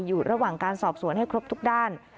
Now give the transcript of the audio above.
อยู่ระหว่างการสอบสวนให้ครบทุกด้าน